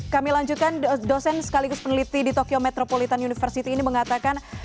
kami lanjutkan dosen sekaligus peneliti di tokyo metropolitan university ini mengatakan